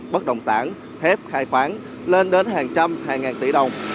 bất động sản thép khai khoáng lên đến hàng trăm hàng ngàn tỷ đồng